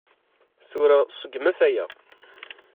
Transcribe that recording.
Tura, seggmet aya.